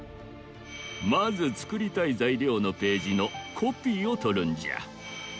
まずつくりたいざいりょうのページのコピーをとるんじゃ。